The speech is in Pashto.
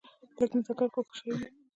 لږ نزاکت خو ښه شی وي.